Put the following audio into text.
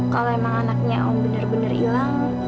kalo emang anaknya om bener bener hilang